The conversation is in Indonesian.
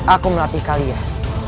aku melatih kalian